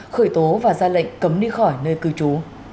khởi tố và ra lệnh cấm đi khỏi nơi cư trú